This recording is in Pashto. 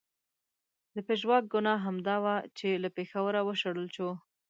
د پژواک ګناه همدا وه چې له پېښوره و شړل شو.